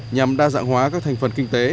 nhằm đa dạng hóa các thành phần kinh tế